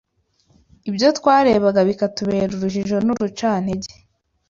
Ibyo twarebaga bikatubera urujijo n’urucantege